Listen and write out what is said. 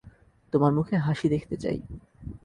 তোমার মুখে হাসি দেখতে চাই।